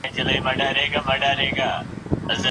ښه اخلاق تل دوستي ټينګوي